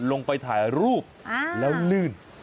ลงไปถ่ายรูปแล้วลื่น